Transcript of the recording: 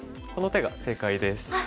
この手が正解です。